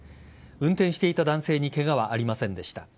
運転していた男性にケガはありませんでした。